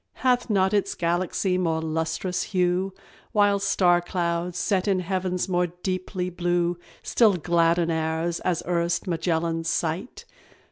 Hath not its galaxy more lustrous hue While star clouds, set in heavens more deeply blue, Still gladden ours, as erst Magellan's sight?